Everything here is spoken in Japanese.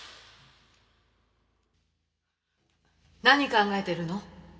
何考えてるの？